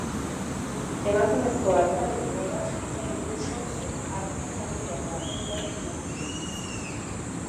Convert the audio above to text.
Emakumezko artzainen egoeraz hitz egin du sortzez artzain familiakoa ez den emakume honek.